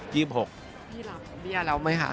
พี่รับเบี้ยแล้วไหมคะ